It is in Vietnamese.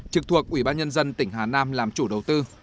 trực thuộc ủy ban nhân dân tỉnh hà nam làm chủ đầu tư